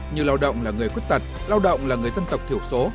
như lao động là người khuyết tật lao động là người dân tộc thiểu số